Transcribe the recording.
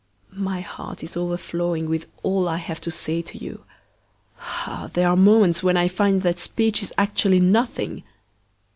My heart is overflowing with all I have to say to you. Ah! there are moments when I find that speech is actually nothing.